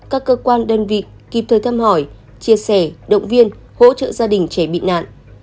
các cơ quan đơn vị kịp thời thăm hỏi chia sẻ động viên hỗ trợ gia đình trẻ bị nạn